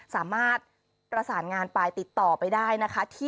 สามารถประสานงานไปติดต่อไปได้นะคะ